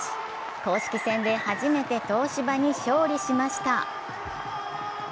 公式戦で初めて東芝に勝利しました。